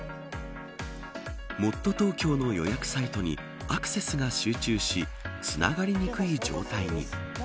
もっとＴｏｋｙｏの予約サイトにアクセスが集中しつながりにくい状態に。